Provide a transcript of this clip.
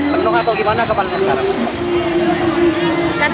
penuh atau gimana kapalnya sekarang